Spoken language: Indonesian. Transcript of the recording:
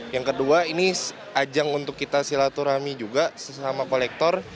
yang kedua ini ajang untuk kita silaturahmi juga sesama kolektor